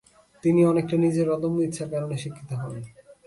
তিনি অনেকটা নিজের অদম্য ইচ্ছার কারণে শিক্ষিত হন।